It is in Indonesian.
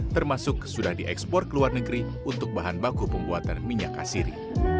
termasuk sudah diekspor ke luar negeri untuk bahan baku pembuatan minyak asiri